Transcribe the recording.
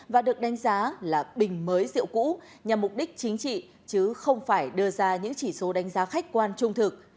và được đánh giá là bình mới rượu cũ nhằm mục đích chính trị chứ không phải đưa ra những chỉ số đánh giá khách quan trung thực